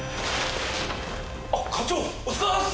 あっ課長お疲れさまです！